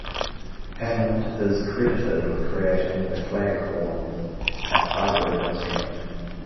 Hammond is credited with creating the "claghorn", a hybrid instrument.